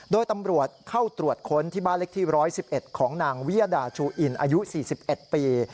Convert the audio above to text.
โดยตำรวจเข้าตรวจค้นที่บ้านเล็กที่๑๑๑ของนางวิยดาชูอินอายุ๔๑ปี